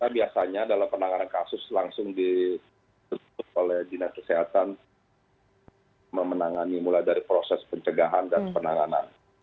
biasanya dalam penanganan kasus langsung ditutup oleh dinas kesehatan memenangani mulai dari proses pencegahan dan penanganan